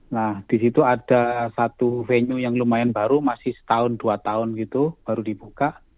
nah di situ ada satu venue yang lumayan baru masih setahun dua tahun gitu baru dibuka